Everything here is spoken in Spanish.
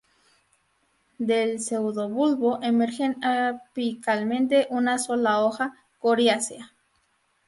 Del pseudobulbo emergen apicalmente una sola hoja coriácea.